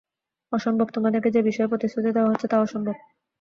অসম্ভব, তোমাদেরকে যে বিষয়ে প্রতিশ্রুতি দেওয়া হচ্ছে তা অসম্ভব।